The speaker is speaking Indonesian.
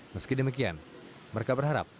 meski demikian mereka berharap